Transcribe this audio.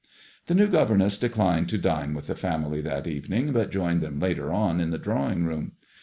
The new governess declined to dine with the family that evening, but joined them later on in the drawing room.